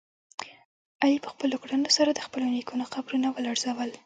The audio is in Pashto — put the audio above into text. علي په خپلو کړنو سره د خپلو نیکونو قبرونه ولړزول.